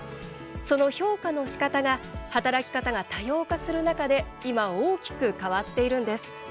その評価のしかたが働き方が多様化する中で今、大きく変わっているんです。